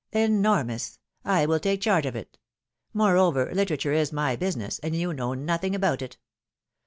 '^ Enormous! I will take charge of it; moreover litera ture is my business, and you know nothing about it.